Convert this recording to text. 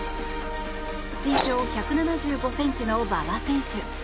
身長１７５ｃｍの馬場選手。